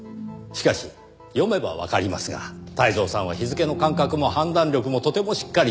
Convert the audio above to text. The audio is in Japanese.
しかし読めばわかりますが泰造さんは日付の感覚も判断力もとてもしっかりとしている。